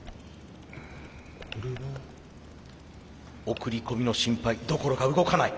送り込みの心配どころか動かない。